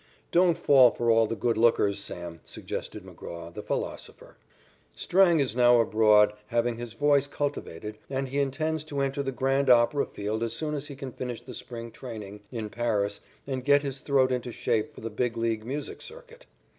"Don't fall for all the good lookers, Sam," suggested McGraw, the philosopher. Strang is now abroad having his voice cultivated and he intends to enter the grand opera field as soon as he can finish the spring training in Paris and get his throat into shape for the big league music circuit.